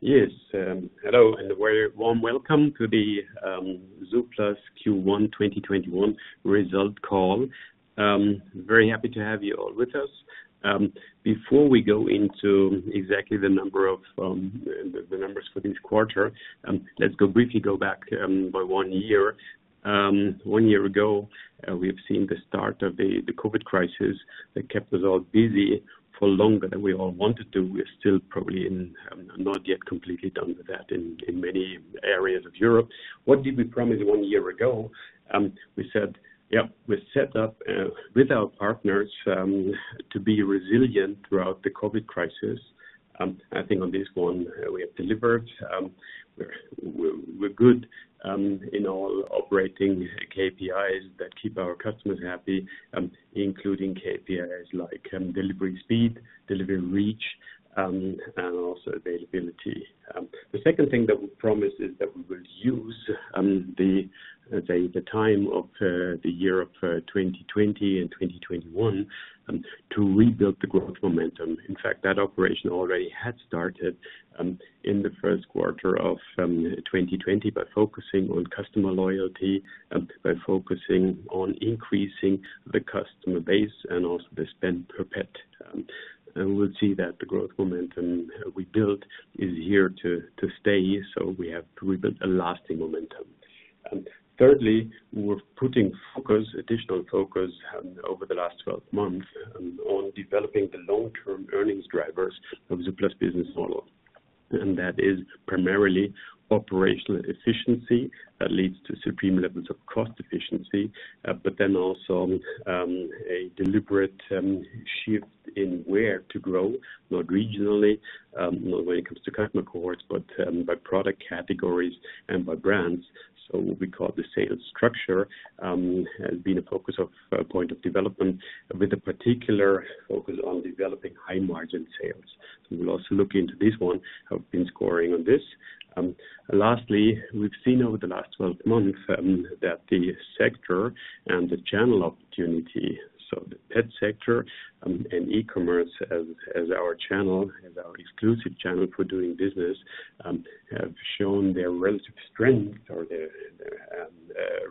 Yes. Hello, a very warm welcome to the zooplus Q1 2021 result call. Very happy to have you all with us. Before we go into exactly the numbers for this quarter, let's briefly go back by one year. One year ago, we have seen the start of the COVID crisis that kept us all busy for longer than we all wanted to. We're still probably not yet completely done with that in many areas of Europe. What did we promise one year ago? We said, we set up with our partners to be resilient throughout the COVID crisis. I think on this one, we have delivered. We're good in all operating KPIs that keep our customers happy, including KPIs like delivery speed, delivery reach, and also availability. The second thing that we promised is that we will use the time of the year of 2020 and 2021 to rebuild the growth momentum. In fact, that operation already had started in the first quarter of 2020 by focusing on customer loyalty and by focusing on increasing the customer base and also the spend per pet. We'll see that the growth momentum we built is here to stay, so we have rebuilt a lasting momentum. Thirdly, we're putting additional focus over the last 12 months on developing the long-term earnings drivers of zooplus business model. That is primarily operational efficiency that leads to supreme levels of cost efficiency, but then also a deliberate shift in where to grow, not regionally, not when it comes to customer cohorts, but by product categories and by brands. What we call the sales structure has been a focus of point of development with a particular focus on developing high-margin sales. We'll also look into this one, have been scoring on this. Lastly, we've seen over the last 12 months that the sector and the channel opportunity, so the pet sector and e-commerce as our exclusive channel for doing business, have shown their relative strength or their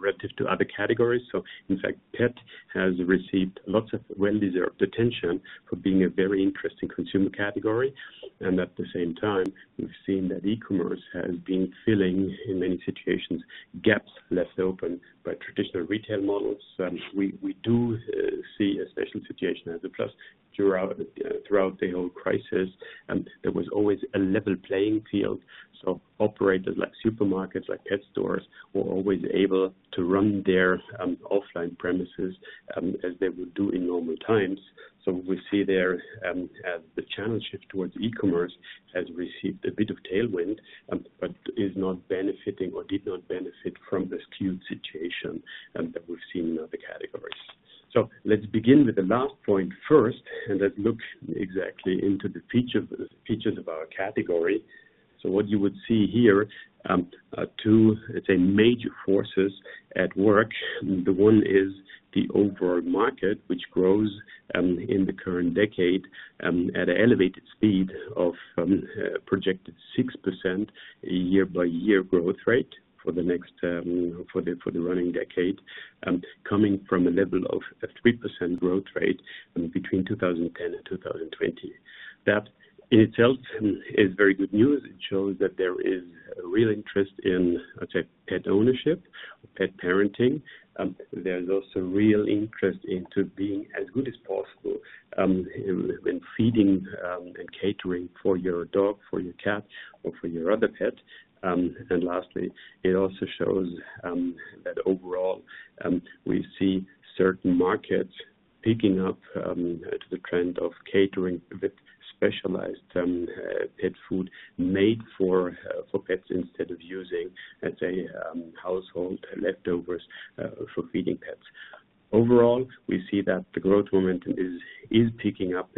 relative to other categories. In fact, pet has received lots of well-deserved attention for being a very interesting consumer category, and at the same time, we've seen that e-commerce has been filling, in many situations, gaps left open by traditional retail models. We do see a special situation at zooplus throughout the whole crisis, there was always a level playing field. Operators like supermarkets, like pet stores, were always able to run their offline premises as they would do in normal times. We see there, the channel shift towards e-commerce has received a bit of tailwind, but is not benefiting or did not benefit from the skewed situation that we've seen in other categories. Let's begin with the last point first, and let's look exactly into the features of our category. What you would see here, two major forces at work. The one is the overall market, which grows in the current decade at an elevated speed of projected 6% year-by-year growth rate for the running decade, coming from a level of 3% growth rate between 2010 and 2020. That in itself is very good news. It shows that there is a real interest in pet ownership, pet parenting. There is also real interest into being as good as possible in feeding and catering for your dog, for your cat, or for your other pet. Lastly, it also shows that overall, we see certain markets picking up to the trend of catering with specialized pet food made for pets instead of using household leftovers for feeding pets. Overall, we see that the growth momentum is picking up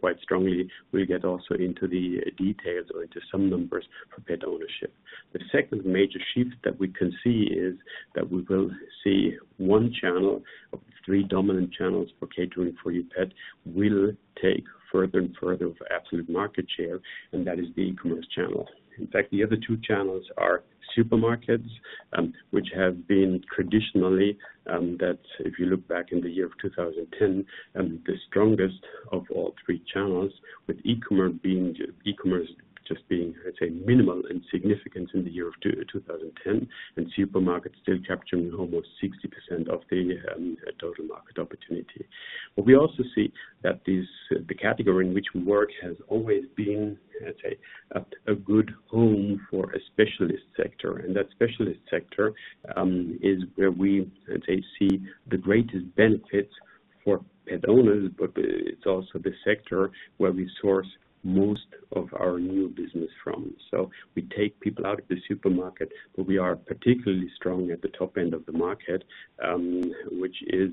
quite strongly. We'll get also into the details or into some numbers for pet ownership. The second major shift that we can see is that we will see one channel of three dominant channels for catering for your pet will take further and further of absolute market share, and that is the e-commerce channel. In fact, the other two channels are supermarkets, which have been traditionally, that if you look back in the year of 2010, the strongest of all three channels, with e-commerce just being minimal in significance in the year of 2010, and supermarkets still capturing almost 60% of the total market opportunity. We also see that the category in which we work has always been a good home for a specialist sector, and that specialist sector is where we see the greatest benefits for pet owners, but it's also the sector where we source most of our new business from. We take people out of the supermarket, but we are particularly strong at the top end of the market, which is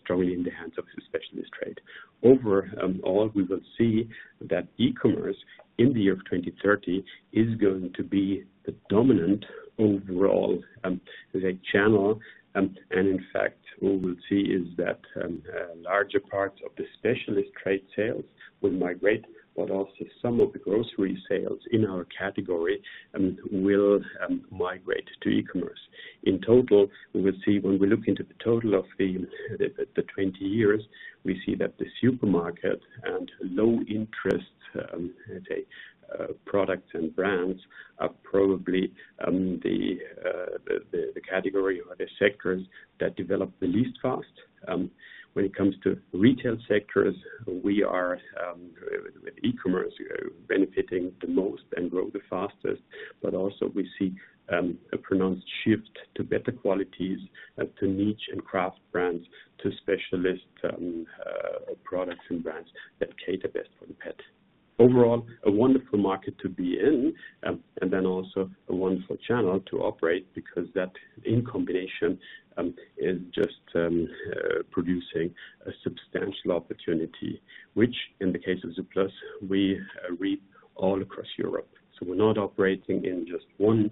strongly in the hands of the specialist trade. Overall, we will see that e-commerce in the year of 2030 is going to be the dominant overall channel. In fact, what we'll see is that larger parts of the specialist trade sales will migrate, but also some of the grocery sales in our category will migrate to e-commerce. In total, we will see when we look into the total of the 20 years, we see that the supermarket and low-interest products and brands are probably the category or the sectors that develop the least fast. When it comes to retail sectors, we are, with e-commerce, benefiting the most and grow the fastest. Also we see a pronounced shift to better qualities, to niche and craft brands, to specialist products and brands that cater best for the pet. Overall, a wonderful market to be in, and then also a wonderful channel to operate because that, in combination, is just producing a substantial opportunity, which in the case of zooplus, we reap all across Europe. We're not operating in just one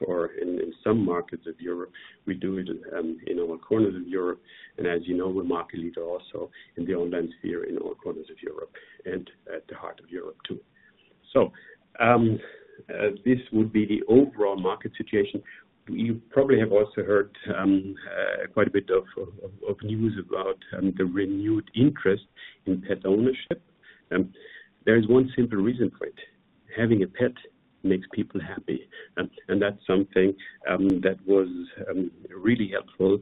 or in some markets of Europe, we do it in all corners of Europe. As you know, we're market leader also in the online sphere in all corners of Europe, and at the heart of Europe too. This would be the overall market situation. You probably have also heard quite a bit of news about the renewed interest in pet ownership. There is one simple reason for it. Having a pet makes people happy, and that's something that was really helpful,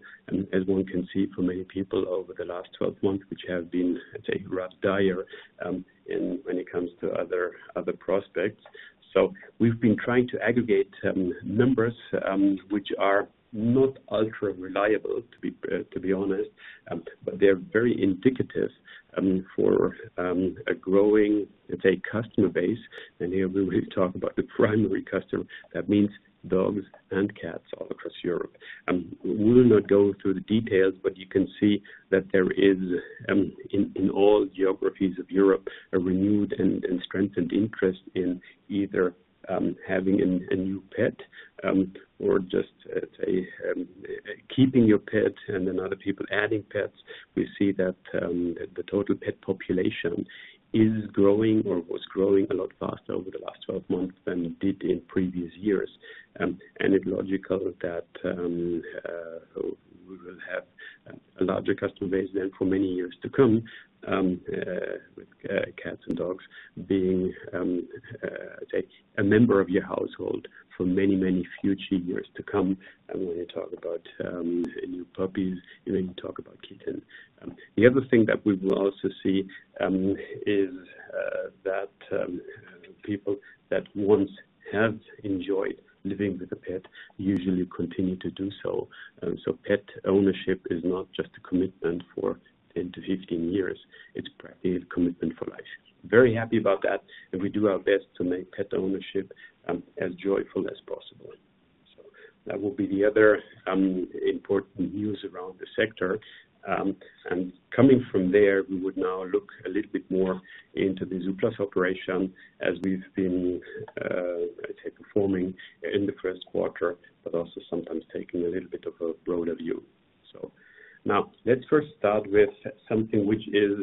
as one can see, for many people over the last 12 months, which have been rough, dire, when it comes to other prospects. We've been trying to aggregate some numbers, which are not ultra-reliable, to be honest. They're very indicative for a growing customer base. Here, we really talk about the primary customer, that means dogs and cats all across Europe. We will not go through the details, but you can see that there is, in all geographies of Europe, a renewed and strengthened interest in either having a new pet or just keeping your pet and then other people adding pets. We see that the total pet population is growing or was growing a lot faster over the last 12 months than it did in previous years. It's logical that we will have a larger customer base then for many years to come, with cats and dogs being a member of your household for many, many future years to come when you talk about new puppies and when you talk about kittens. The other thing that we will also see is that people that once have enjoyed living with a pet usually continue to do so. Pet ownership is not just a commitment for 10-15 years, it's a commitment for life. Very happy about that, and we do our best to make pet ownership as joyful as possible. That will be the other important news around the sector. Coming from there, we would now look a little bit more into the zooplus operation as we've been performing in the first quarter, but also sometimes taking a little bit of a broader view. Now let's first start with something which is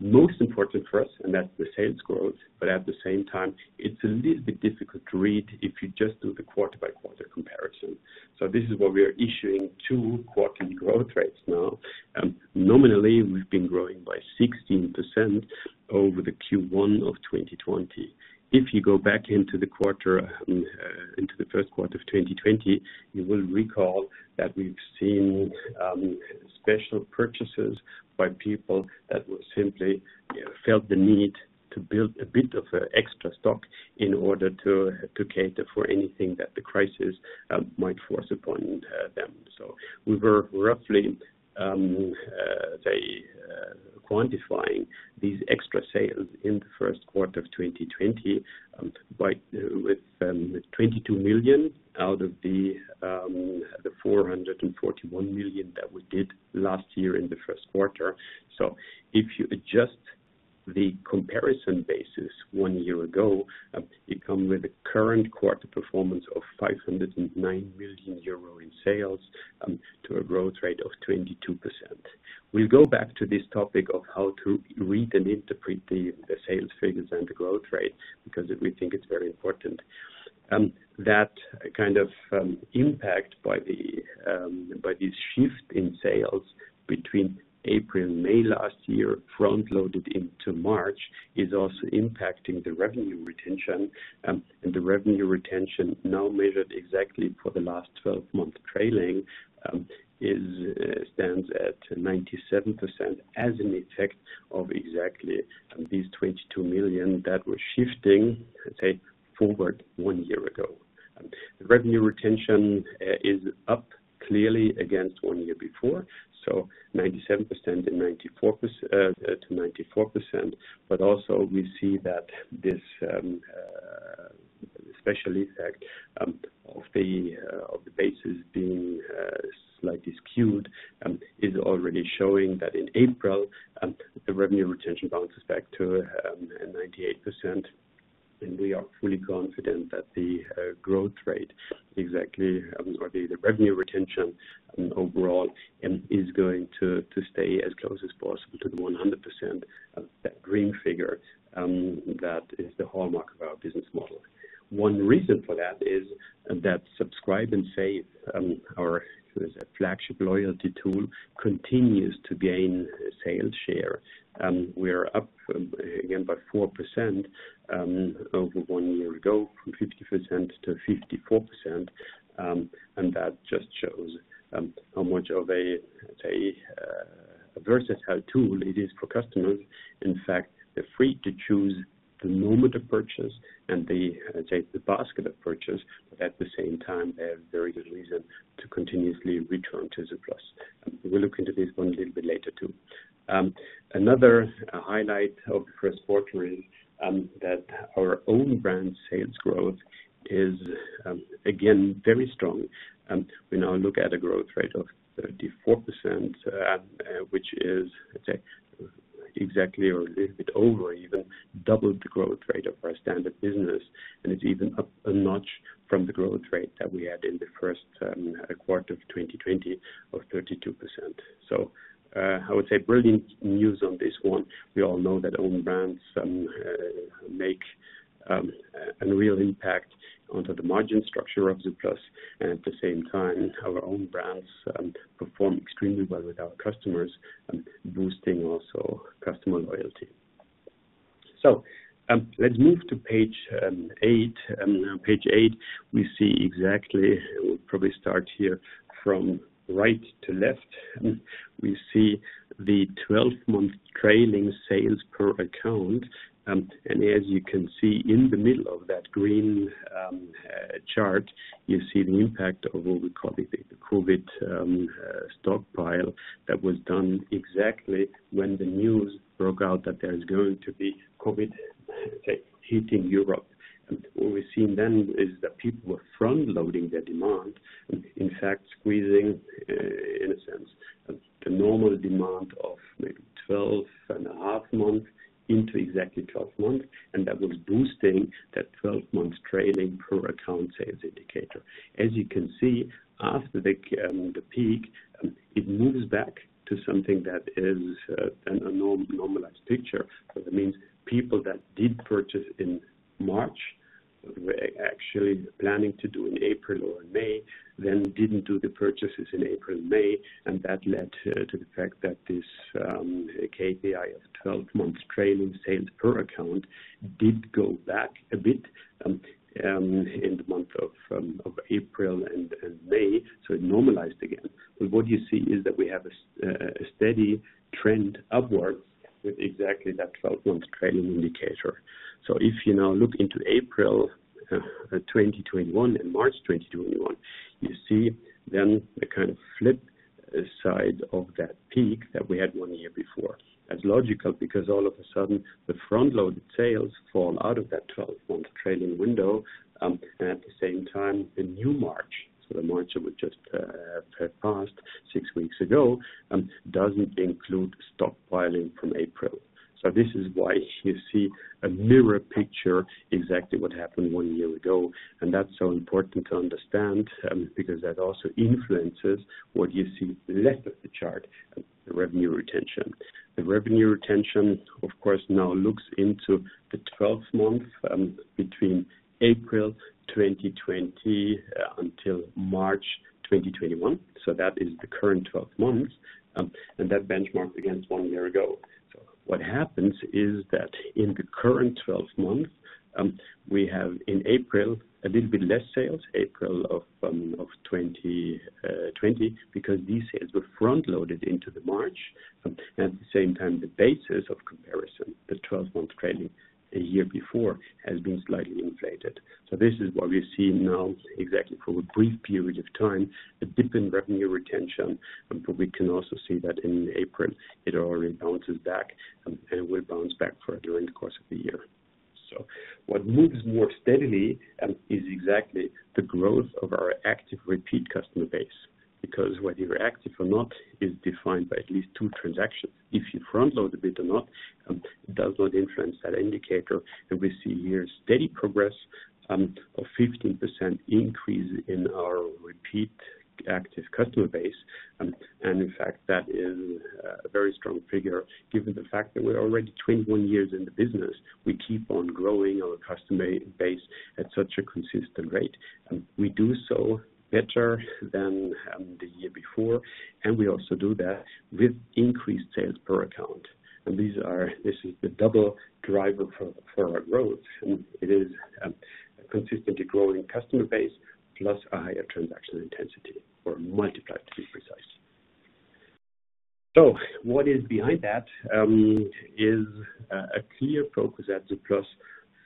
most important for us, and that's the sales growth, but at the same time, it's a little bit difficult to read if you just do the quarter-by-quarter comparison. This is why we are issuing two quarterly growth rates now. Nominally, we've been growing by 16% over the Q1 of 2020. If you go back into the first quarter of 2020, you will recall that we've seen special purchases by people that simply felt the need to build a bit of extra stock in order to cater for anything that the crisis might force upon them. We were roughly quantifying these extra sales in the first quarter of 2020, with 22 million out of the 441 million that we did last year in the first quarter. If you adjust the comparison basis one year ago, you come with a current quarter performance of 509 million euro in sales to a growth rate of 22%. We'll go back to this topic of how to read and interpret the sales figures and the growth rate, because we think it's very important. That kind of impact by this shift in sales between April and May last year, front-loaded into March, is also impacting the revenue retention. The revenue retention, now measured exactly for the last 12 months trailing, stands at 97% as an effect of exactly these 22 million that were shifting forward one year ago. The revenue retention is up clearly against one year before, so 97%-94%. Also we see that this-Especially of the basis being slightly skewed is already showing that in April, the revenue retention bounces back to 98%. We are fully confident that the growth rate exactly, or the revenue retention overall, is going to stay as close as possible to the 100%, that green figure that is the hallmark of our business model. One reason for that is that Subscribe & Save, our flagship loyalty tool, continues to gain sales share. We are up again by 4% over one year ago, from 50% to 54%, and that just shows how much of a versatile tool it is for customers. In fact, they're free to choose the moment of purchase and they take the basket of purchase. At the same time, they have very good reason to continuously return to zooplus. We'll look into this one a little bit later, too. Another highlight of the first quarter is that our own brand sales growth is again, very strong. We now look at a growth rate of 34%, which is exactly or a little bit over even, double the growth rate of our standard business. It's even up a notch from the growth rate that we had in the first quarter of 2020, of 32%. I would say brilliant news on this one. We all know that own brands make a real impact onto the margin structure of zooplus, and at the same time, our own brands perform extremely well with our customers, boosting also customer loyalty. Let's move to page eight. Page eight, we see exactly, we'll probably start here from right to left. We see the 12-month trailing sales per account. As you can see in the middle of that green chart, you see the impact of what we call the COVID stockpile that was done exactly when the news broke out that there is going to be COVID hitting Europe. What we've seen then is that people were front-loading their demand, in fact, squeezing, in a sense, the normal demand of maybe 12 and a half months into exactly 12 months. That was boosting that 12-month trailing per account sales indicator. As you can see, after the peak, it moves back to something that is a normalized picture. That means people that did purchase in March, were actually planning to do in April or in May, then didn't do the purchases in April and May. That led to the fact that this KPI of 12 months trailing sales per account did go back a bit in the month of April and May, so it normalized again. What you see is that we have a steady trend upward with exactly that 12-month trailing indicator. If you now look into April 2021 and March 2021, you see then a kind of flip side of that peak that we had one year before. That's logical because all of a sudden the front-loaded sales fall out of that 12-month trailing window, and at the same time, the new March, so the March that would just passed six weeks ago, doesn't include stockpiling from April. This is why you see a mirror picture, exactly what happened one year ago. That's so important to understand, because that also influences what you see left of the chart, the revenue retention. The revenue retention, of course, now looks into the 12 months between April 2020 until March 2021. That is the current 12 months, and that benchmark against one year ago. What happens is that in the current 12 months, we have in April, a little bit less sales, April of 2020, because these sales were front-loaded into the March. At the same time, the basis of comparison, the 12-month trailing a year before, has been slightly inflated. This is why we see now exactly for a brief period of time, a dip in revenue retention. We can also see that in April it already bounces back, and will bounce back further during the course of the year. What moves more steadily is exactly the growth of our active repeat customer base. Whether you're active or not is defined by at least two transactions. If you front-load a bit or not, it does not influence that indicator. We see here steady progress, a 15% increase in our repeat active customer base. In fact, that is a very strong figure given the fact that we're already 21 years in the business. We keep on growing our customer base at such a consistent rate. We do so better than the year before, and we also do that with increased sales per account. This is the double driver for our growth. It is a consistently growing customer base plus a higher transaction intensity, or multiplied to be precise. What is behind that is a clear focus at zooplus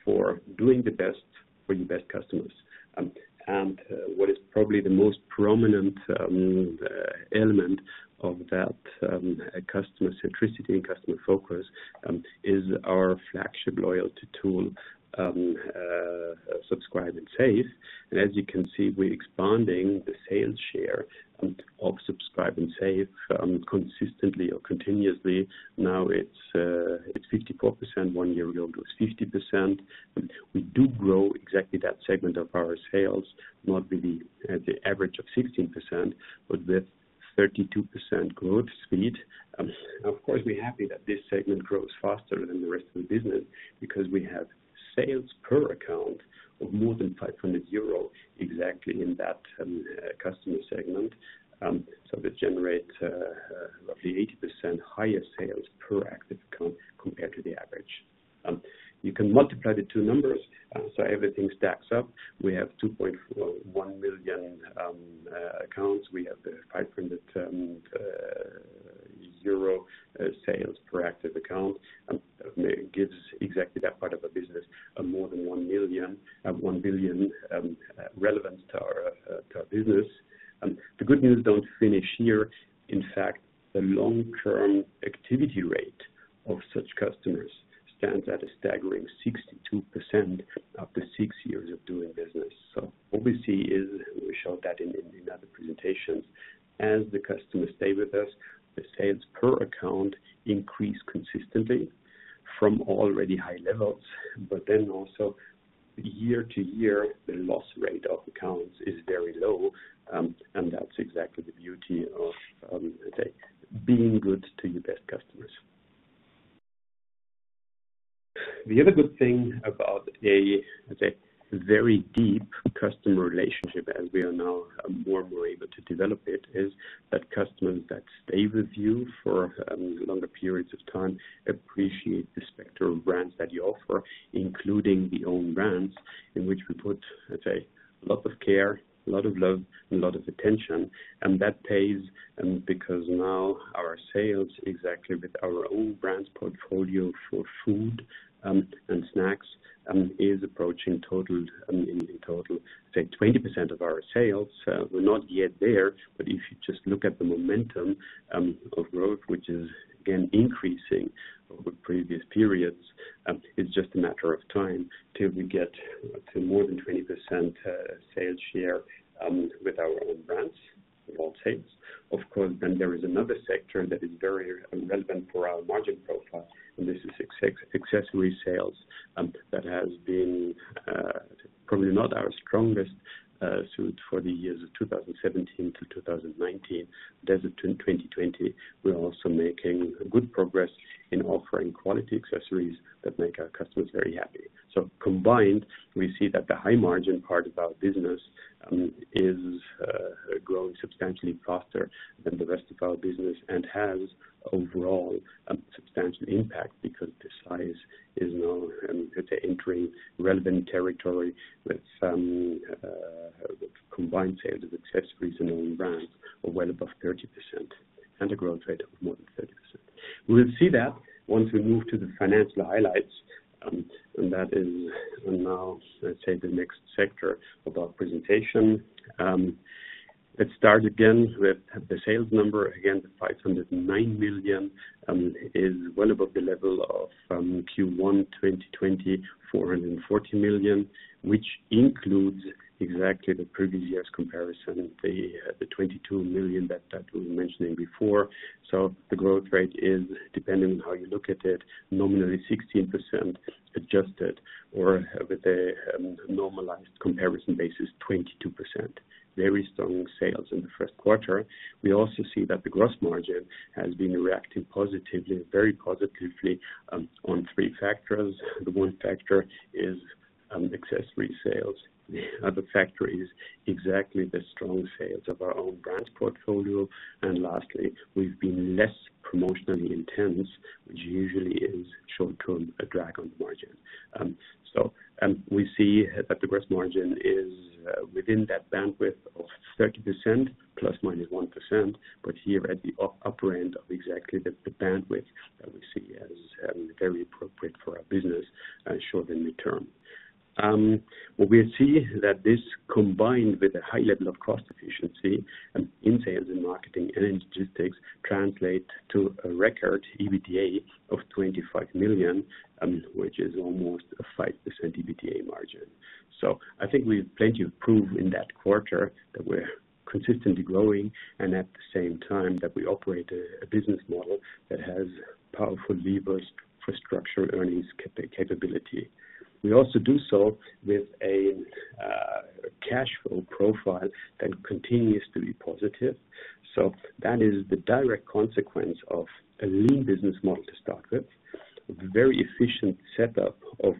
for doing the best for your best customers. What is probably the most prominent element of that customer centricity and customer focus is our flagship loyalty tool, Subscribe & Save. As you can see, we're expanding the sales share of Subscribe & Save consistently or continuously. Now it's 54%, one year ago it was 50%. We do grow exactly that segment of our sales, not really at the average of 16%, but with 32% growth speed. Of course, we're happy that this segment grows faster than the rest of the business because we have sales per account of more than 500 euro exactly in that customer segment. That generates roughly 80% higher sales per active account compared to the average. You can multiply the two numbers so everything stacks up. We have 2.1 million accounts. We have the EUR 500 sales per active account. Gives exactly that part of the business more than 1 billion relevant to our business. The good news don't finish here. In fact, the long-term activity rate of such customers stands at a staggering 62% after six years of doing business. What we see is, and we showed that in other presentations, as the customers stay with us, the sales per account increase consistently from already high levels. Also year to year, the loss rate of accounts is very low. That's exactly the beauty of, let's say, being good to your best customers. The other good thing about a, let's say, very deep customer relationship, as we are now more and more able to develop it, is that customers that stay with you for longer periods of time appreciate the spectrum of brands that you offer, including the own brands in which we put, let's say, a lot of care, a lot of love, and a lot of attention. That pays because now our sales exactly with our own brands portfolio for food and snacks is approaching in total, let's say, 20% of our sales. We're not yet there, but if you just look at the momentum of growth, which is again increasing over previous periods, it's just a matter of time till we get to more than 20% sales share with our own brands of all sales. Of course, there is another sector that is very relevant for our margin profile, and this is accessory sales. That has been probably not our strongest suit for the years of 2017-2019. Thus between 2020, we are also making good progress in offering quality accessories that make our customers very happy. Combined, we see that the high margin part of our business is growing substantially faster than the rest of our business and has overall substantial impact because the size is now entering relevant territory with combined sales of accessories and own brands of well above 30% and a growth rate of more than 30%. We will see that once we move to the financial highlights, that is now, let's say, the next sector of our presentation. Let's start again with the sales number. The 509 million is well above the level of Q1 2020, 440 million, which includes exactly the previous year's comparison, the 22 million that we were mentioning before. The growth rate is dependent on how you look at it, nominally 16% adjusted or with a normalized comparison basis, 22%. Very strong sales in the first quarter. We also see that the gross margin has been reacting positively, very positively, on three factors. The one factor is accessory sales. The other factor is exactly the strong sales of our own brands portfolio. Lastly, we've been less promotionally intense, which usually is short-term a drag on margin. We see that the gross margin is within that bandwidth of 30% ± 1%, but here at the upper end of exactly the bandwidth that we see as very appropriate for our business short and midterm. We see that this combined with a high level of cost efficiency in sales and marketing and in logistics translate to a record EBITDA of 25 million, which is almost a 5% EBITDA margin. I think we've plenty of proof in that quarter that we're consistently growing and at the same time that we operate a business model that has powerful levers for structural earnings capability. We also do so with a cash flow profile that continues to be positive. That is the direct consequence of a lean business model to start with. A very efficient setup of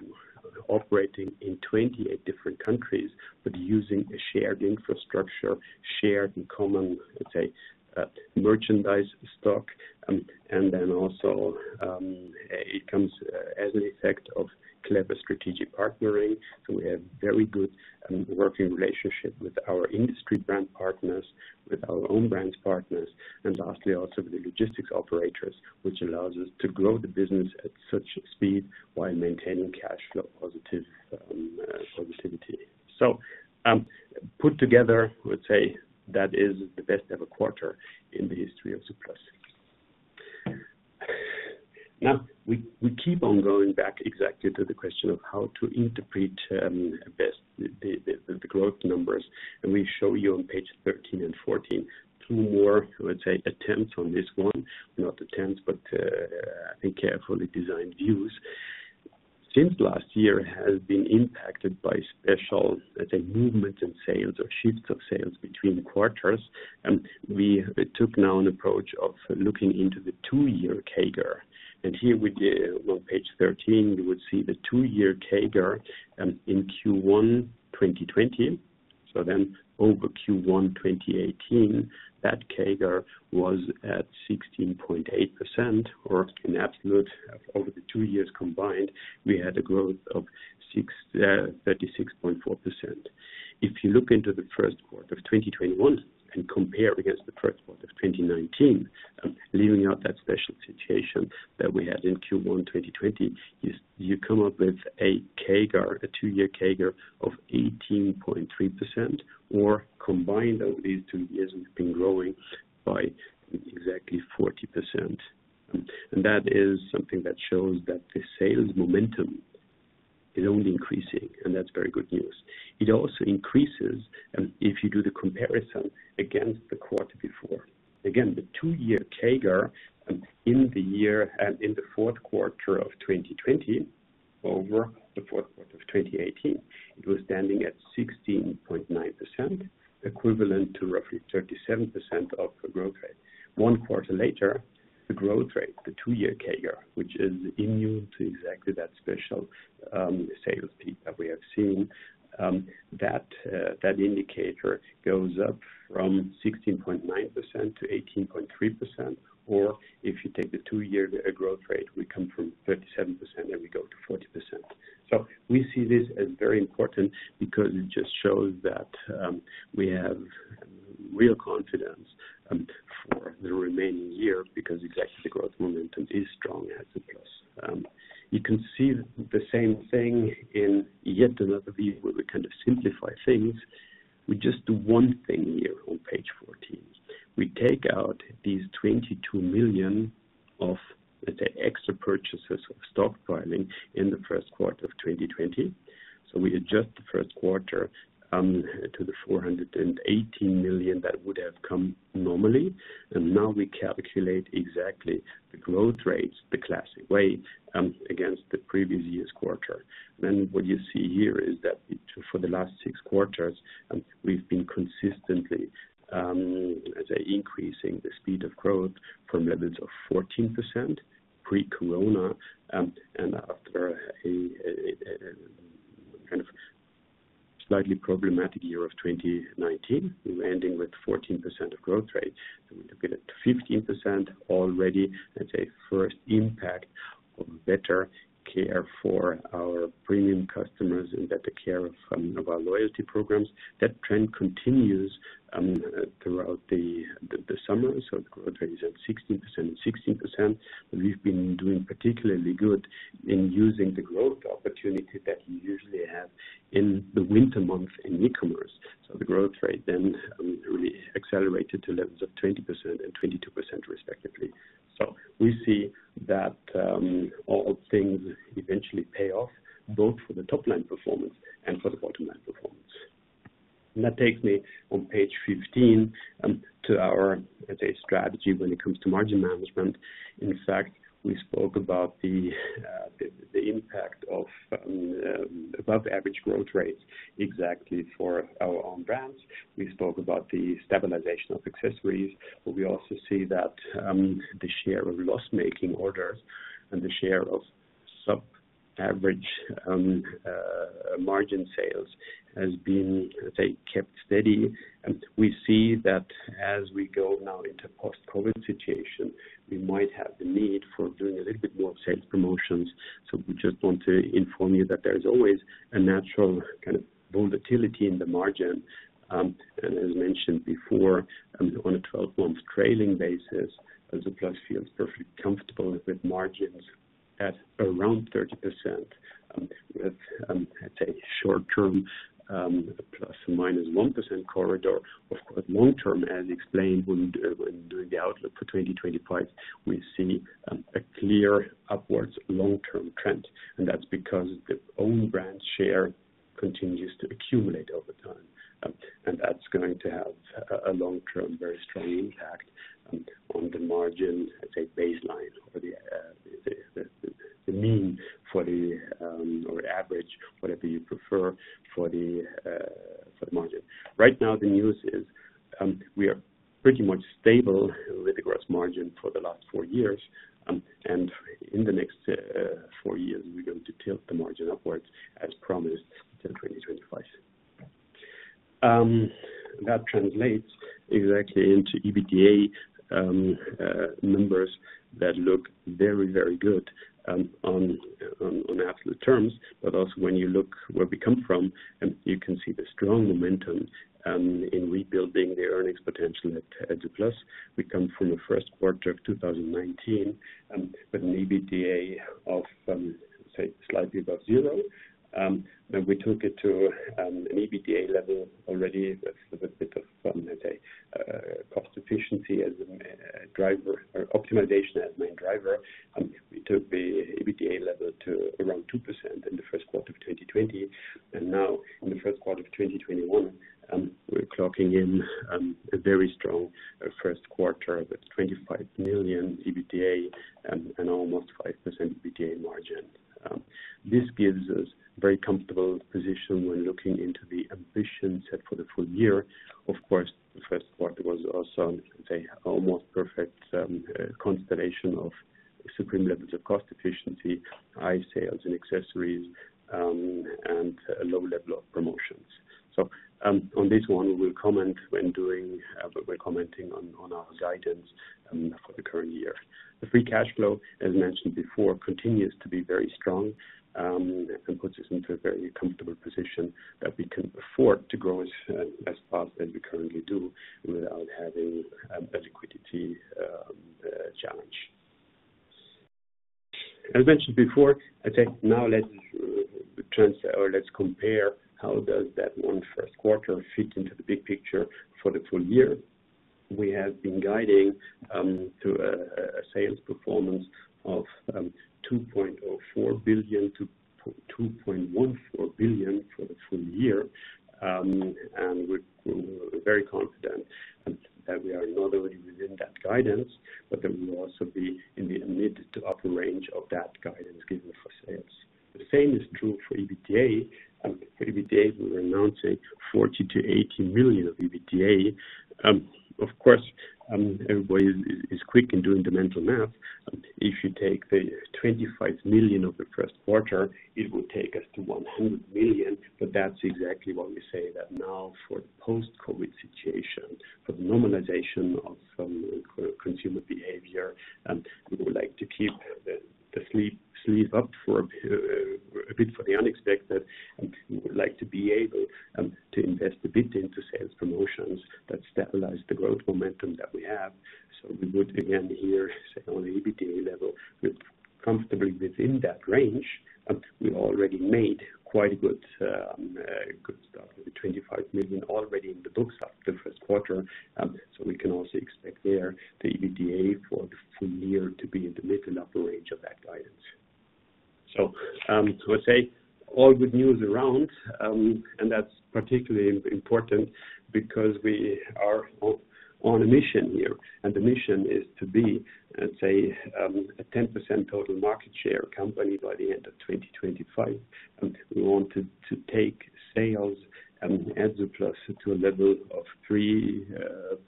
operating in 28 different countries, but using a shared infrastructure, shared and common, let's say, merchandise stock. Also, it comes as an effect of clever strategic partnering. We have very good working relationship with our industry brand partners, with our own brands partners, and lastly also with the logistics operators, which allows us to grow the business at such a speed while maintaining cash flow positivity. Put together, I would say that is the best ever quarter in the history of zooplus. We keep on going back exactly to the question of how to interpret the growth numbers. We show you on page 13 and 14, two more, I would say, attempts on this one. Not attempts, I think carefully designed views. Since last year has been impacted by special, let's say, movement in sales or shifts of sales between quarters, we took now an approach of looking into the two-year CAGR. Here on page 13, you would see the two-year CAGR, in Q1 2020. Over Q1 2018, that CAGR was at 16.8%, or in absolute, over the two years combined, we had a growth of 36.4%. If you look into the first quarter of 2021 and compare against the first quarter of 2019, leaving out that special situation that we had in Q1 2020, you come up with a two-year CAGR of 18.3%, or combined over these two years, we've been growing by exactly 40%. That is something that shows that the sales momentum is only increasing, and that's very good news. It also increases if you do the comparison against the quarter before. The two-year CAGR in the year and in the fourth quarter of 2020, over the fourth quarter of 2018, it was standing at 16.9%, equivalent to roughly 37% of the growth rate. One quarter later, the growth rate, the two-year CAGR, which is immune to exactly that special sales peak that we have seen, that indicator goes up from 16.9% to 18.3%. If you take the two-year growth rate, we come from 37% and we go to 40%. We see this as very important because it just shows that we have real confidence for the remaining year, because exactly the growth momentum is strong at zooplus. You can see the same thing in yet another view where we kind of simplify things. We just do one thing here on page 14. We take out these 22 million of the extra purchases of stockpiling in the first quarter of 2020. We adjust the first quarter to the 418 million that would have come normally. Now we calculate exactly the growth rates, the classic way, against the previous year's quarter. What you see here is that for the last six quarters, we've been consistently increasing the speed of growth from levels of 14% pre-corona. After a kind of slightly problematic year of 2019, we were ending with 14% of growth rate. We look at it, 15% already, that's a first impact of better care for our premium customers and better care of our loyalty programs. That trend continues throughout the summer. The growth rate is at 16%. We've been doing particularly good in using the growth opportunity that we usually have in the winter months in e-commerce. The growth rate then really accelerated to levels of 20% and 22% respectively. We see that all things eventually pay off, both for the top line performance and for the bottom line performance. That takes me on page 15, to our, let's say, strategy when it comes to margin management. In fact, we spoke about the impact of above average growth rates exactly for our own brands. We spoke about the stabilization of accessories, but we also see that the share of loss-making orders and the share of sub-average margin sales has been kept steady. We see that as we go now into post-COVID situation, we might have the need for doing a little bit more of sales promotions. We just want to inform you that there is always a natural kind of volatility in the margin. As mentioned before, on a 12-month trailing basis, zooplus feels perfectly comfortable with margins at around 30%. That's a short-term, ±1% corridor. Of course, long term, as explained when doing the outlook for 2025, we see a clear upwards long-term trend. That's because the own brand share continues to accumulate over time. That's going to have a long-term, very strong impact on the margin baseline or the mean or average, whatever you prefer, for the margin. Right now, the news is, we are pretty much stable with the gross margin for the last four years. In the next four years, we're going to tilt the margin upwards as promised till 2025. That translates exactly into EBITDA numbers that look very good on absolute terms. Also when you look where we come from, you can see the strong momentum in rebuilding the earnings potential at zooplus. We come from the first quarter of 2019, with an EBITDA of slightly above zero. We took it to an EBITDA level already that's a bit of cost efficiency as a driver or optimization as main driver. We took the EBITDA level to around 2% in the first quarter of 2020. Now in the first quarter of 2021, we're clocking in a very strong first quarter with 25 million EBITDA and almost 5% EBITDA margin. This gives us very comfortable position when looking into the ambition set for the full year. Of course, the first quarter was also, I would say, almost perfect constellation of supreme levels of cost efficiency, high sales and accessories, and a low level of promotions. On this one, we will comment when we're commenting on our guidance for the current year. The free cash flow, as mentioned before, continues to be very strong, and puts us into a very comfortable position that we can afford to grow as fast as we currently do without having a liquidity challenge. As mentioned before, I think now let's compare how does that one first quarter fit into the big picture for the full year. We have been guiding to a sales performance of 2.04 billion-2.14 billion for the full year. We're very confident that we are not only within that guidance, but that we will also be in the mid to upper range of that guidance given for sales. The same is true for EBITDA. EBITDA, we were announcing 40 million-80 million of EBITDA. Of course, everybody is quick in doing the mental math. You take the 25 million of the first quarter, it would take us to 100 million. That's exactly why we say that now for the post-COVID situation, for the normalization of some consumer behavior, we would like to keep the sleeve up a bit for the unexpected. We would like to be able to invest a bit into sales promotions that stabilize the growth momentum that we have. We would again here, say, on the EBITDA level, we're comfortably within that range, but we already made quite a good stuff, with 25 million already in the books of the first quarter. We can also expect there the EBITDA for the full year to be in the mid to upper range of that guidance. I would say all good news around, and that's particularly important because we are on a mission here, and the mission is to be, let's say, a 10% total market share company by the end of 2025. We want to take sales at zooplus to a level of 3.4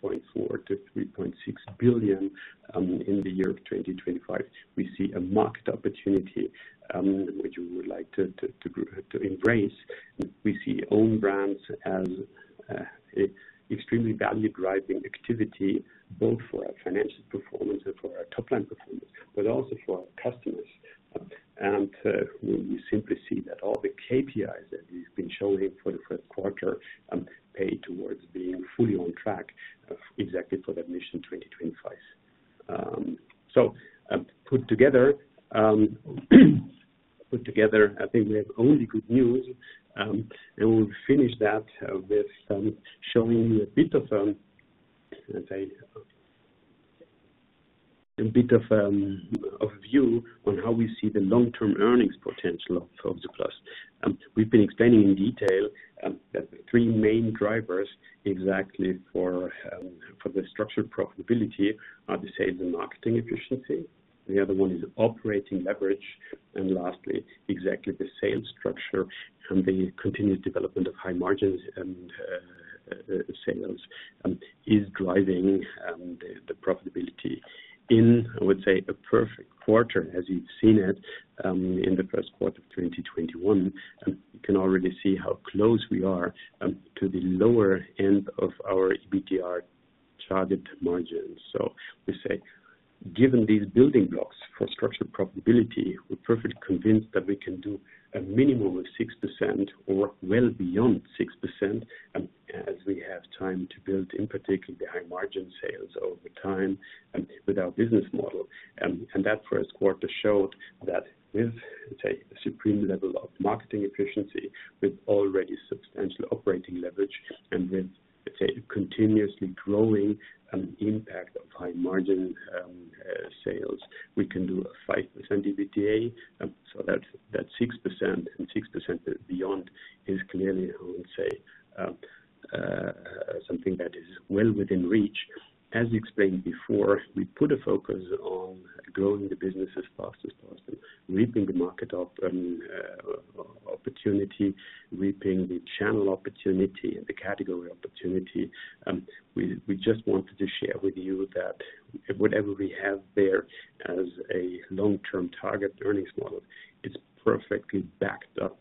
billion-3.6 billion in the year of 2025. We see a market opportunity, which we would like to embrace. We see own brands as extremely value-driving activity, both for our financial performance and for our top-line performance, but also for our customers. We simply see that all the KPIs that we've been showing for the first quarter pay towards being fully on track exactly for that mission 2025. Put together, I think we have only good news, and we'll finish that with showing you a bit of a view on how we see the long-term earnings potential of zooplus. We've been explaining in detail that the three main drivers exactly for the structured profitability are the sales and marketing efficiency. The other one is operating leverage, and lastly, exactly the sales structure and the continued development of high margins and sales is driving the profitability. In, I would say, a perfect quarter as you've seen it, in the first quarter of 2021, you can already see how close we are to the lower end of our EBITDA targeted margins. We say, given these building blocks for structured profitability, we're perfectly convinced that we can do a minimum of 6% or well beyond 6%, as we have time to build in particular the high margin sales over time with our business model. That first quarter showed that with, let's say, a supreme level of marketing efficiency with already substantial operating leverage and with, let's say, continuously growing impact of high margin sales, we can do a 5% EBITDA. That 6% and 6% beyond is clearly, I would say, something that is well within reach. As explained before, we put a focus on growing the business as fast as possible, reaping the market opportunity, reaping the channel opportunity, the category opportunity. We just wanted to share with you that whatever we have there as a long-term target earnings model, it's perfectly backed up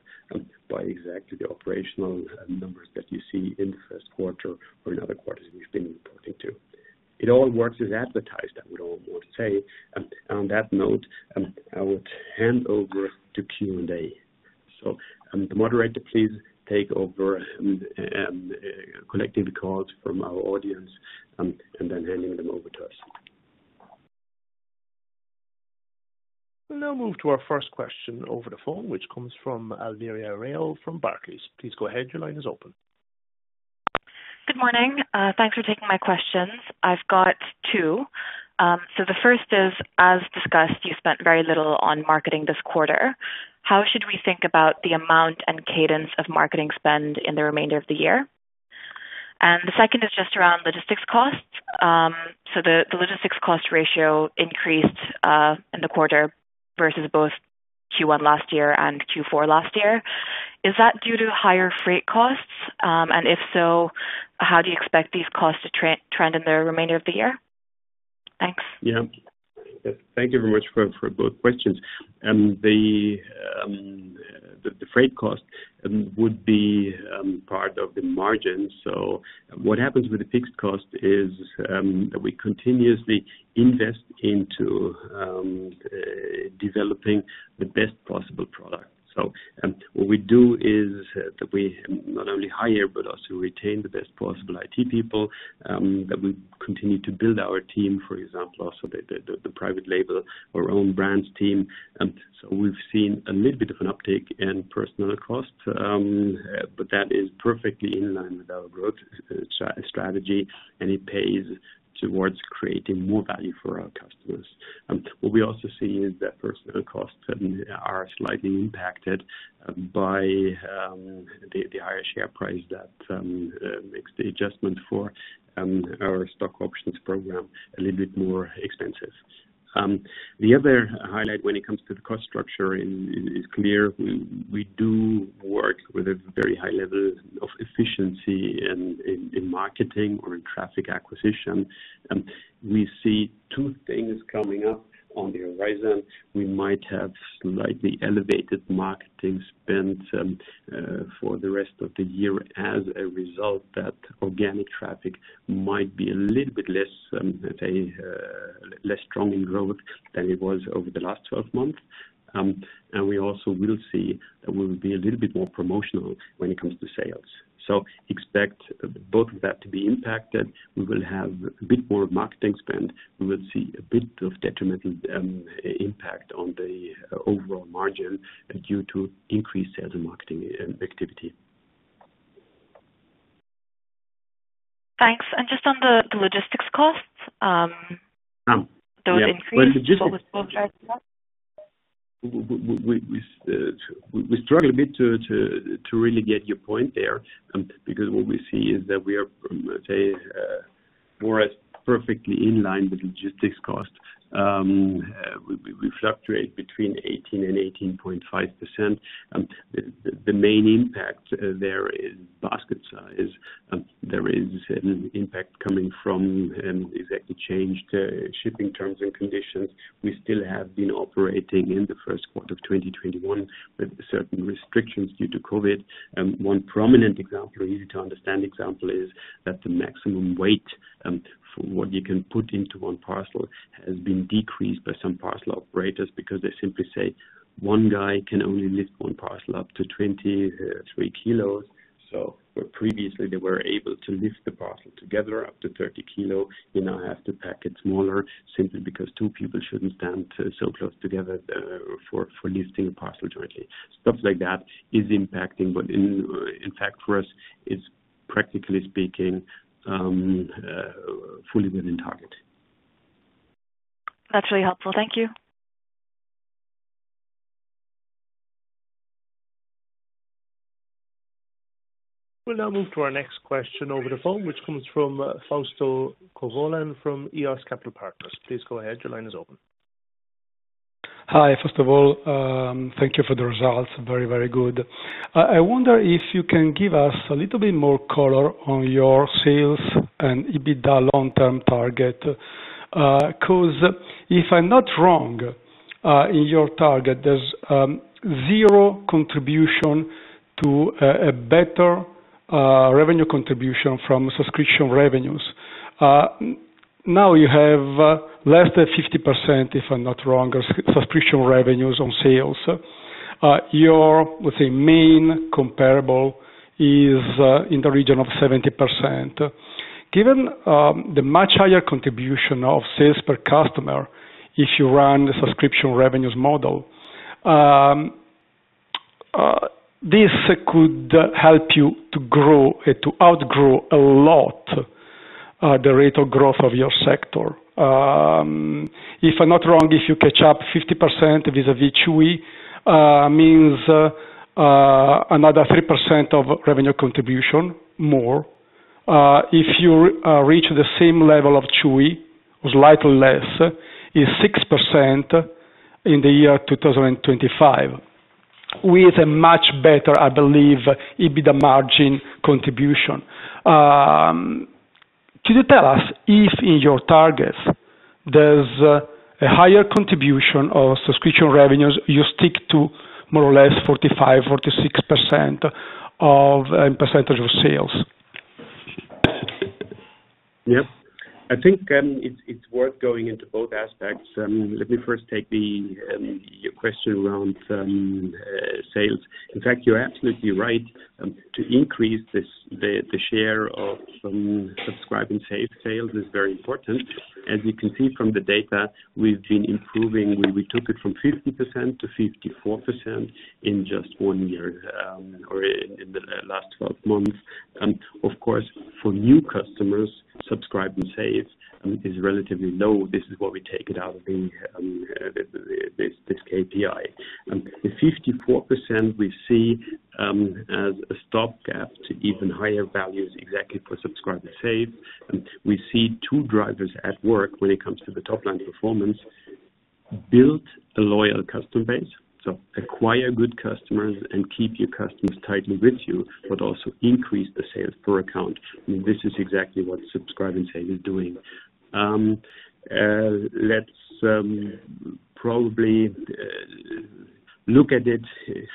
by exactly the operational numbers that you see in the first quarter or in other quarters we've been reporting too. It all works as advertised, I would almost say. On that note, I would hand over to Q&A. The moderator, please take over collecting the calls from our audience, and then handing them over. We'll now move to our first question over the phone, which comes from Elvira Raheel from Barclays. Please go ahead. Your line is open. Good morning. Thanks for taking my questions. I've got two. The first is, as discussed, you spent very little on marketing this quarter. How should we think about the amount and cadence of marketing spend in the remainder of the year? The second is just around logistics costs. The logistics cost ratio increased, in the quarter versus both Q1 2020 and Q4 2020. Is that due to higher freight costs? If so, how do you expect these costs to trend in the remainder of the year? Thanks. Yeah. Thank you very much for both questions. The freight cost would be part of the margin. What happens with the fixed cost is that we continuously invest into developing the best possible product. What we do is that we not only hire, but also retain the best possible IT people, that we continue to build our team, for example, also the private label, our own brands team. We've seen a little bit of an uptick in personnel costs, but that is perfectly in line with our growth strategy, and it pays towards creating more value for our customers. What we also see is that personnel costs are slightly impacted by the higher share price that makes the adjustment for our stock options program a little bit more expensive. The other highlight when it comes to the cost structure is clear. We do work with a very high level of efficiency in marketing or in traffic acquisition. We see two things coming up on the horizon. We might have slightly elevated marketing spend for the rest of the year as a result that organic traffic might be a little bit less strong in growth than it was over the last 12 months. We also will see that we'll be a little bit more promotional when it comes to sales. Expect both of that to be impacted. We will have a bit more marketing spend. We will see a bit of detrimental impact on the overall margin due to increased sales and marketing activity. Thanks. just on the logistics costs. Those increased- Yeah. Well. What was the drive for that? We struggle a bit to really get your point there, because what we see is that we are more as perfectly in line with logistics cost. We fluctuate between 18% and 18.5%. The main impact there is basket size. There is an impact coming from exactly changed shipping terms and conditions. We still have been operating in Q1 2021 with certain restrictions due to COVID. One prominent example, easy-to-understand example, is that the maximum weight for what you can put into one parcel has been decreased by some parcel operators because they simply say, one guy can only lift one parcel up to 23 kg. Where previously they were able to lift the parcel together up to 30 kg, you now have to pack it smaller simply because two people shouldn't stand so close together for lifting a parcel jointly. Stuff like that is impacting, but in fact, for us, it's practically speaking, fully within target. That's really helpful. Thank you. We'll now move to our next question over the phone, which comes from Fausto Covolan from EOS Capital Partners. Please go ahead. Your line is open. Hi. First of all, thank you for the results. Very, very good. I wonder if you can give us a little bit more color on your sales and EBITDA long-term target. If I'm not wrong, in your target, there's zero contribution to a better revenue contribution from subscription revenues. You have less than 50%, if I'm not wrong, subscription revenues on sales. Your, let's say, main comparable is in the region of 70%. Given the much higher contribution of sales per customer if you run the subscription revenues model, this could help you to outgrow a lot the rate of growth of your sector. If I'm not wrong, if you catch up 50% vis-a-vis Chewy, means another 3% of revenue contribution more. If you reach the same level of Chewy, was slightly less, is 6% in the year 2025. With a much better, I believe, EBITDA margin contribution. Could you tell us if in your targets there's a higher contribution of subscription revenues, you stick to more or less 45%, 46% of percentage of sales? Yep. I think it's worth going into both aspects. Let me first take your question around sales. In fact, you're absolutely right. To increase the share of some Subscribe & Save sales is very important. As we can see from the data, we've been improving. We took it from 50% to 54% in just one year, or in the last 12 months. Of course, for new customers, Subscribe & Save is relatively low. This is why we take it out of this KPI. The 54% we see as a stop gap to even higher values exactly for Subscribe & Save. We see two drivers at work when it comes to the top-line performance. Build a loyal customer base, acquire good customers and keep your customers tightly with you, also increase the sales per account. This is exactly what Subscribe & Save is doing. Let's probably look at it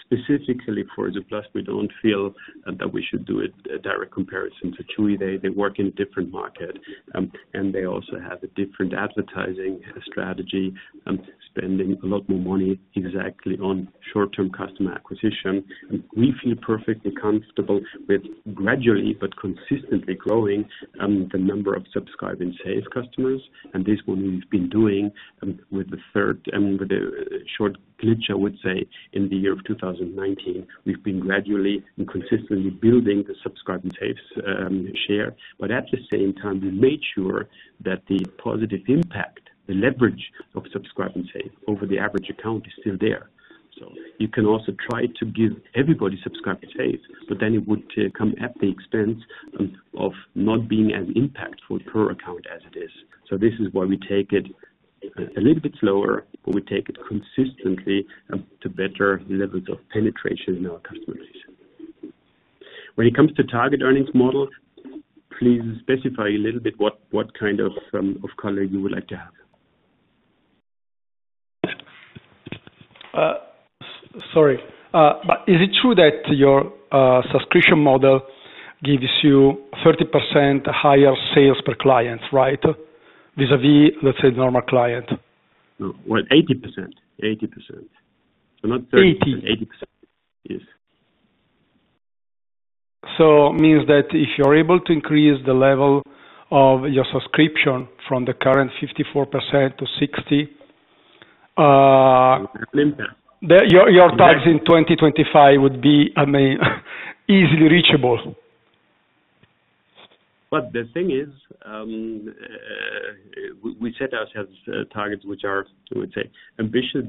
specifically for zooplus. We don't feel that we should do a direct comparison to Chewy. They work in a different market, and they also have a different advertising strategy, spending a lot more money exactly on short-term customer acquisition. We feel perfectly comfortable with gradually but consistently growing the number of Subscribe & Save customers. This is what we've been doing with the short glitch, I would say, in the year of 2019. We've been gradually and consistently building the Subscribe & Save share. At the same time, we made sure that the positive impact, the leverage of Subscribe & Save over the average account is still there. You can also try to give everybody Subscribe & Save, but then it would come at the expense of not being as impactful per account as it is. This is why we take it a little bit slower, but we take it consistently to better levels of penetration in our customer base. When it comes to target earnings model, please specify a little bit what kind of color you would like to have. Sorry. Is it true that your subscription model gives you 30% higher sales per client, right, vis-a-vis, let's say, normal client? No. Well, 80%. Not 30%. 80%. 80%. Yes. It means that if you're able to increase the level of your subscription from the current 54% to 60% In the near term. Your targets in 2025 would be, I mean, easily reachable. The thing is, we set ourselves targets which are, I would say, ambitious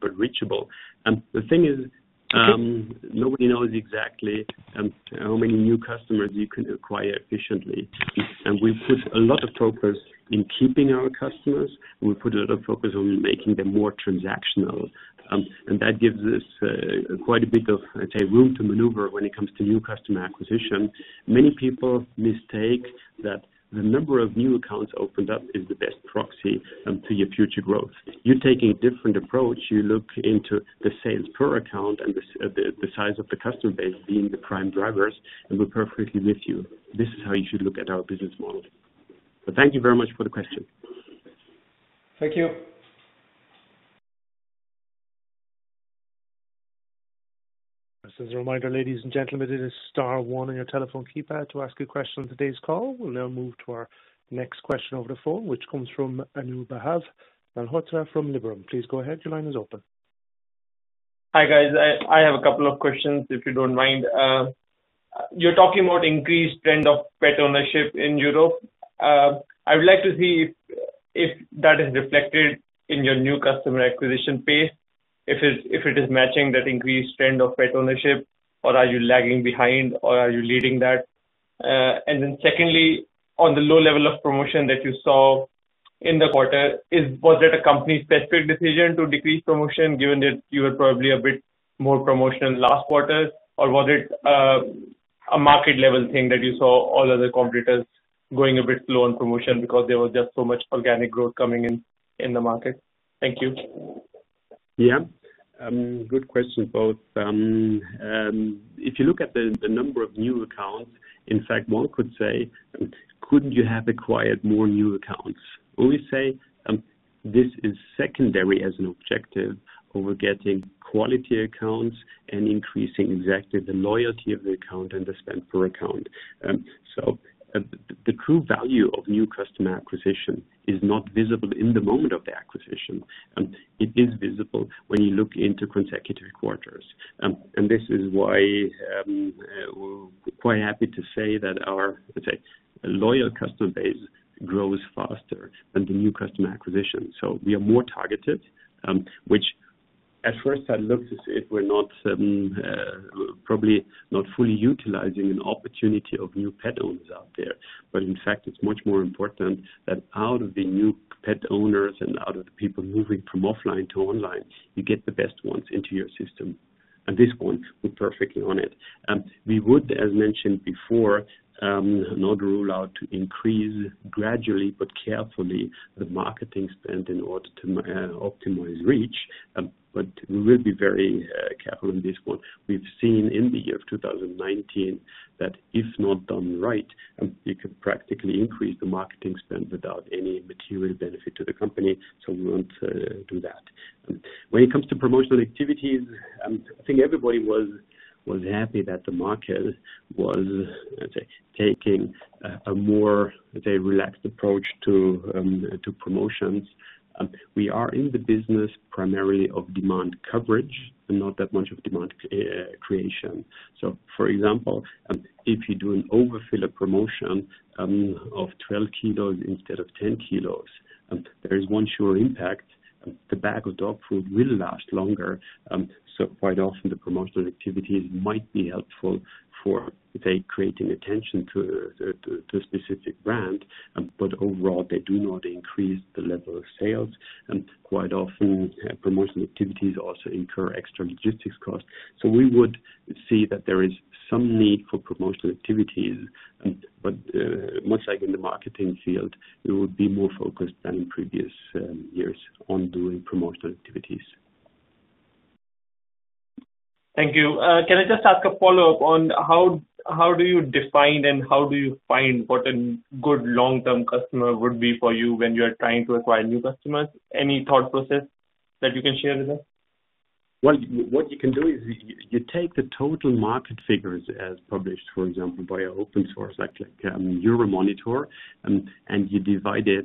but reachable. We put a lot of focus in keeping our customers, and we put a lot of focus on making them more transactional. That gives us quite a bit of, let's say, room to maneuver when it comes to new customer acquisition. Many people mistake that the number of new accounts opened up is the best proxy to your future growth. You're taking a different approach. You look into the sales per account and the size of the customer base being the prime drivers, and we're perfectly with you. This is how you should look at our business model. Thank you very much for the question. Thank you. This is a reminder, ladies and gentlemen, it is star one on your telephone keypad to ask a question on today's call. We'll now move to our next question over the phone, which comes from Anubhav Malhotra from Liberum. Please go ahead. Your line is open. Hi, guys. I have a couple of questions, if you don't mind. You're talking about increased trend of pet ownership in Europe. I would like to see if that is reflected in your new customer acquisition pace, if it is matching that increased trend of pet ownership, or are you lagging behind, or are you leading that? Secondly, on the low level of promotion that you saw in the quarter, was that a company specific decision to decrease promotion, given that you were probably a bit more promotional last quarter? Or was it a market level thing that you saw all other competitors going a bit slow on promotion because there was just so much organic growth coming in the market? Thank you. Yeah. Good question both. If you look at the number of new accounts, in fact, one could say, couldn't you have acquired more new accounts? We say this is secondary as an objective over getting quality accounts and increasing exactly the loyalty of the account and the spend per account. The true value of new customer acquisition is not visible in the moment of the acquisition. It is visible when you look into consecutive quarters. This is why we're quite happy to say that our, let's say, loyal customer base grows faster than the new customer acquisition. We are more targeted, which at first sight looks as if we're probably not fully utilizing an opportunity of new pet owners out there. In fact, it's much more important that out of the new pet owners and out of the people moving from offline to online, you get the best ones into your system. At this point, we're perfectly on it. We would, as mentioned before, not rule out to increase gradually but carefully the marketing spend in order to optimize reach. We will be very careful on this one. We've seen in the year of 2019 that if not done right, you could practically increase the marketing spend without any material benefit to the company. We won't do that. When it comes to promotional activities, I think everybody was happy that the market was taking a more, let's say, relaxed approach to promotions. We are in the business primarily of demand coverage and not that much of demand creation. For example, if you do an overfill a promotion of 12 kg instead of 10 kg, there is one sure impact. The bag of dog food will last longer. Quite often the promotional activities might be helpful for, let's say, creating attention to a specific brand. Overall, they do not increase the level of sales. Quite often, promotional activities also incur extra logistics costs. We would see that there is some need for promotional activities. Much like in the marketing field, it would be more focused than in previous years on doing promotional activities. Thank you. Can I just ask a follow-up on how do you define and how do you find what a good long-term customer would be for you when you're trying to acquire new customers? Any thought process that you can share with us? What you can do is you take the total market figures as published, for example, by an open source, like Euromonitor, you divide it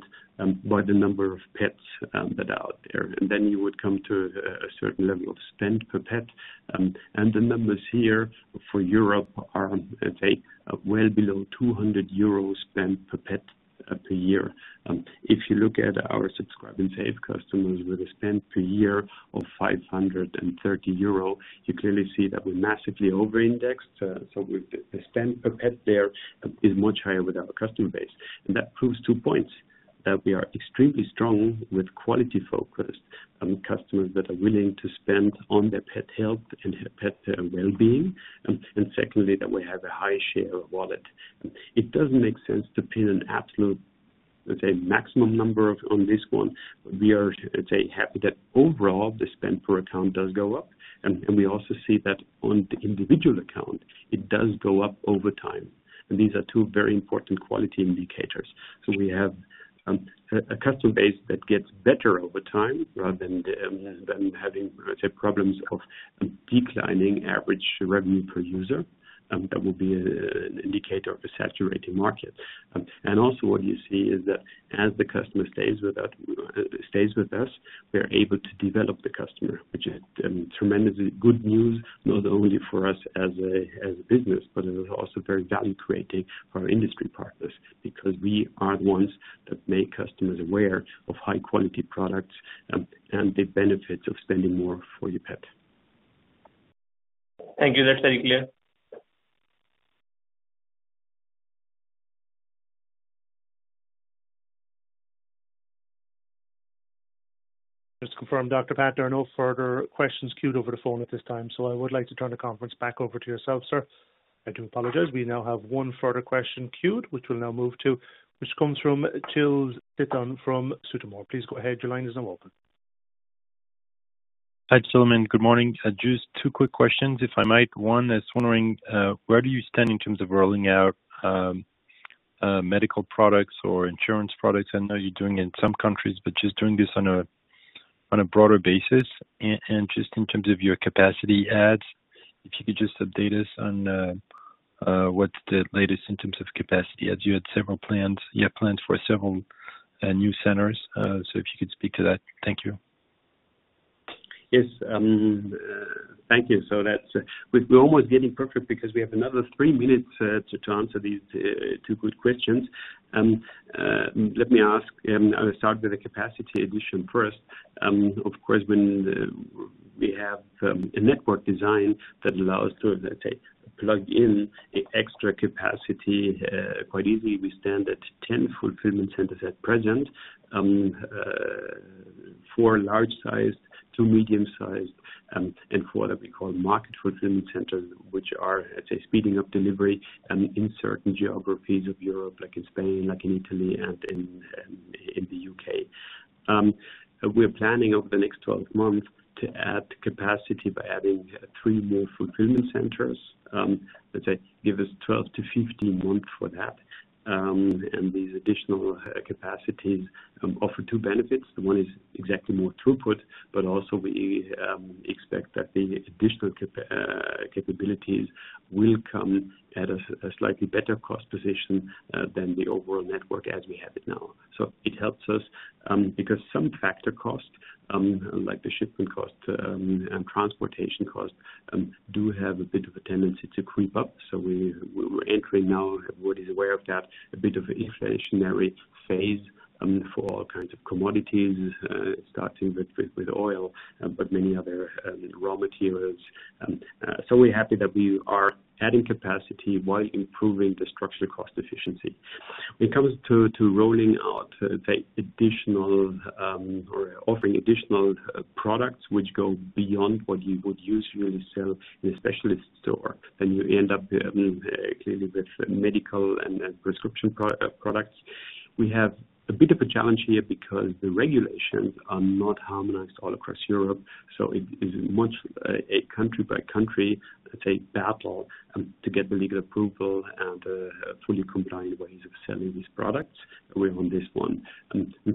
by the number of pets that are out there. Then you would come to a certain level of spend per pet. The numbers here for Europe are, let's say, well below 200 euros spend per pet per year. If you look at our Subscribe & Save customers with a spend per year of 530 euro, you clearly see that we're massively over-indexed. The spend per pet there is much higher with our customer base. That proves two points, that we are extremely strong with quality-focused customers that are willing to spend on their pet health and pet wellbeing, and secondly, that we have a high share of wallet. It doesn't make sense to pin an absolute, let's say, maximum number on this one. We are, let's say, happy that overall the spend per account does go up. We also see that on the individual account, it does go up over time. These are two very important quality indicators. We have a customer base that gets better over time rather than having, let's say, problems of declining average revenue per user. That will be an indicator of a saturating market. Also what you see is that as the customer stays with us, we're able to develop the customer, which is tremendously good news, not only for us as a business, but it is also very value-creating for our industry partners, because we are the ones that make customers aware of high-quality products and the benefits of spending more for your pet. Thank you. That's very clear. Just to confirm, Dr. Pat, no further questions queued over the phone at this time. I would like to turn the conference back over to yourself, sir. I do apologize. We now have one further question queued, which we'll now move to, which comes from Gilles Daiton from [Sudameris]. Please go ahead. Your line is now open. Hi, gentlemen. Good morning. Just two quick questions, if I might. One is wondering, where do you stand in terms of rolling out medical products or insurance products? I know you're doing it in some countries, but just doing this on a broader basis. Just in terms of your capacity adds, if you could just update us on what's the latest in terms of capacity adds. You had several plans. You have plans for several new centers. If you could speak to that. Thank you. Yes. Thank you. We're almost getting perfect because we have another three minutes to answer these two good questions. Let me ask, I will start with the capacity addition first. Of course, when we have a network design that allows us to, let's say, plug in extra capacity quite easily, we stand at 10 fulfillment centers at present. Four large sized, two medium sized, and four that we call market fulfillment centers, which are, let's say, speeding up delivery in certain geographies of Europe, like in Spain, like in Italy, and in the U.K. We're planning over the next 12 months to add capacity by adding three more fulfillment centers, let's say give us 12-15 months for that. These additional capacities offer two benefits. One is exactly more throughput. Also, we expect that the additional capabilities will come at a slightly better cost position than the overall network as we have it now. It helps us, because some factor costs, like the shipping cost and transportation cost, do have a bit of a tendency to creep up. We're entering now, Moody's aware of that, a bit of an inflationary phase for all kinds of commodities, starting with oil, but many other raw materials. We're happy that we are adding capacity while improving the structural cost efficiency. When it comes to rolling out additional or offering additional products which go beyond what you would usually sell in a specialist store, you end up, clearly, with medical and prescription products. We have a bit of a challenge here because the regulations are not harmonized all across Europe, so it is much a country by country, say, battle to get the legal approval and fully compliant ways of selling these products with on this one.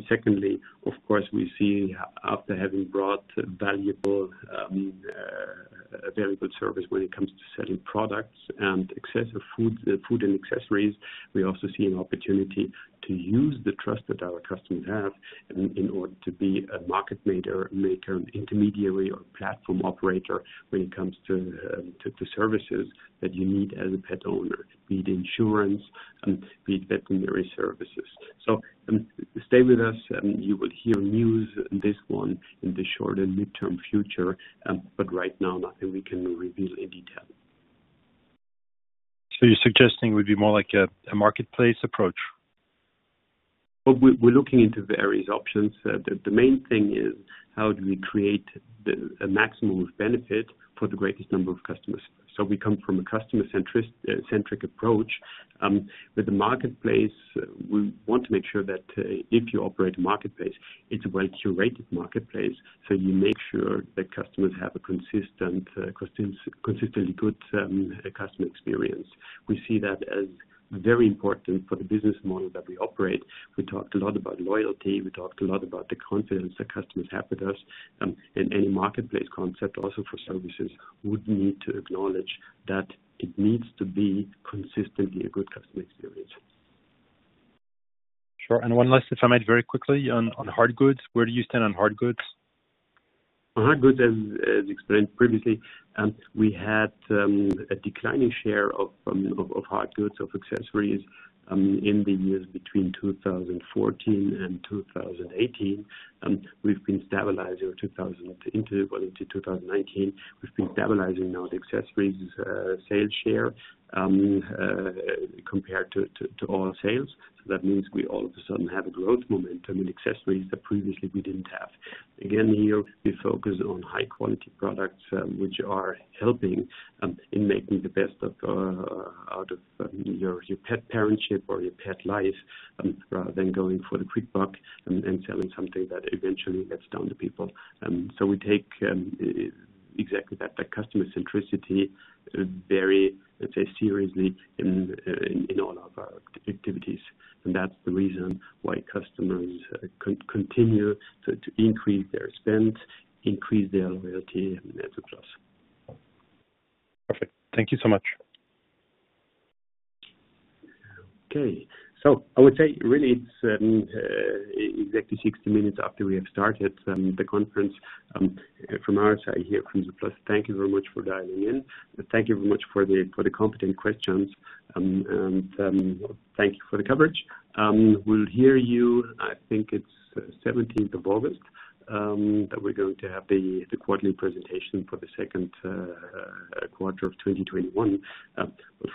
Secondly, of course, we see after having brought valuable, very good service when it comes to selling products and accessories, food and accessories, we also see an opportunity to use the trust that our customers have in order to be a market maker, intermediary or platform operator when it comes to services that you need as a pet owner, be it insurance, be it veterinary services. Stay with us and you will hear news on this one in the short and mid-term future, but right now, nothing we can reveal in detail. You're suggesting it would be more like a marketplace approach? Well, we're looking into various options. The main thing is how do we create a maximum of benefit for the greatest number of customers. We come from a customer-centric approach. With the marketplace, we want to make sure that if you operate a marketplace, it's a well-curated marketplace, so you make sure that customers have a consistently good customer experience. We see that as very important for the business model that we operate. We talked a lot about loyalty. We talked a lot about the confidence that customers have with us. Any marketplace concept, also for services, would need to acknowledge that it needs to be consistently a good customer experience. Sure. One last, if I might, very quickly on hard goods. Where do you stand on hard goods? On hard goods, as explained previously, we had a declining share of hard goods, of accessories, in the years between 2014 and 2018. We've been stabilizing 2000 into 2019. We've been stabilizing now the accessories sales share, compared to all sales. That means we all of a sudden have a growth momentum in accessories that previously we didn't have. Again, here, we focus on high-quality products, which are helping in making the best out of your pet parentship or your pet life, rather than going for the quick buck and selling something that eventually lets down the people. We take exactly that customer centricity very, let's say, seriously in all of our activities. That's the reason why customers continue to increase their spend, increase their loyalty, and that's a plus. Perfect. Thank you so much. Okay. I would say, really, it's exactly 60 minutes after we have started the conference. From our side here, from zooplus, thank you very much for dialing in. Thank you very much for the competent questions. Thank you for the coverage. We'll hear you, I think it's 17th of August, that we're going to have the quarterly presentation for the second quarter of 2021.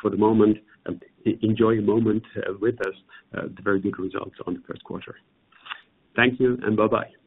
For the moment, enjoy a moment with us, the very good results on the first quarter. Thank you, and bye-bye.